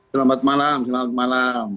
selamat malam selamat malam